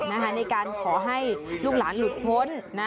ในการขอให้ลูกหลานหลุดพ้น